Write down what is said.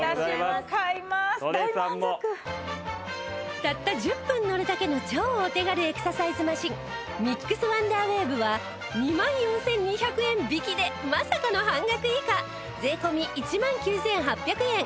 たった１０分乗るだけの超お手軽エクササイズマシンミックスワンダーウェーブは２万４２００円引きでまさかの半額以下税込１万９８００円